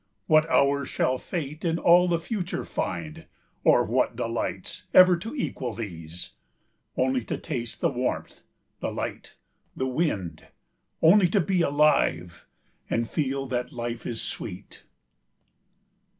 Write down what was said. What hour shall Fate in all the future find, Or what delights, ever to equal these: Only to taste the warmth, the light, the wind, Only to be alive, and feel that life is sweet?